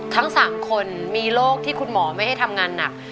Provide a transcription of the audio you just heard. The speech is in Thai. ทั้ง๓คนมีโรคที่คุณหมอไม่ให้ทำงานหนัก